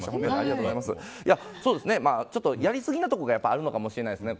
ちょっとやりすぎなところがあるのかもしれないですね。